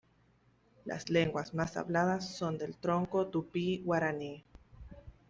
Las lenguas más habladas son del tronco tupí-guaraní.